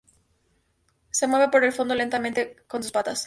Se mueven por el fondo lentamente con sus patas.